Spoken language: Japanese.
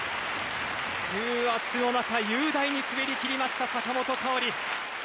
重圧の中雄大に滑りきりました坂本花織。